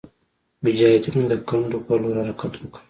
مجاهدینو د کنډو پر لور حرکت وکړ.